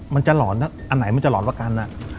มันจะหล่อนอันไหนมันจะหล่อนกัน